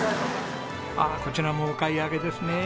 ああこちらもお買い上げですね。